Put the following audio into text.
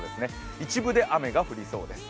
一部で雨が降りそうです。